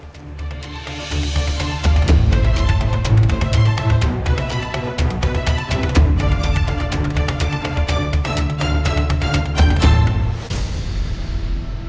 sok kerasa nikmat yang tersisa